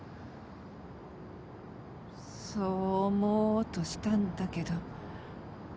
そう思おうとしたんだけど。